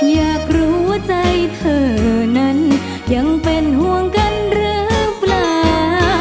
อยากรู้ว่าใจเธอนั้นยังเป็นห่วงกันหรือเปล่า